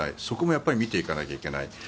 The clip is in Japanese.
そこもやっぱり見ていかないといけない。